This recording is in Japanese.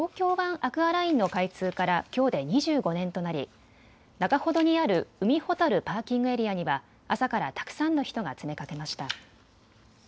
アクアラインの開通からきょうで２５年となり中ほどにある海ほたるパーキングエリアには朝からたくさんの人が詰めかけました。